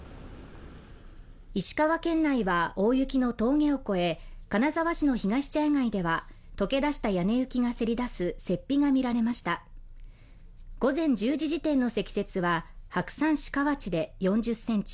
石川県内は大雪の峠を越え金沢市のひがし茶屋街では溶け出した屋根雪がせり出す雪庇が見られました午前１０時時点の積雪は白山市河内で４０センチ